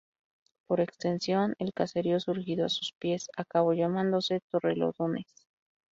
Por extensión, el caserío surgido a sus pies acabó llamándose Torrelodones.